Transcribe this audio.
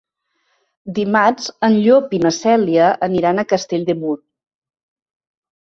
Dimarts en Llop i na Cèlia aniran a Castell de Mur.